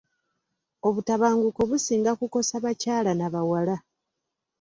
Obutabanguko businga kukosa bakyala na bawala.